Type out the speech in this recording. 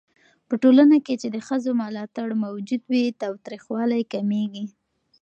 په ټولنه کې چې د ښځو ملاتړ موجود وي، تاوتريخوالی کمېږي.